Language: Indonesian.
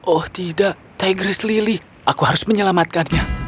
oh tidak tiger's lily aku harus menyelamatkannya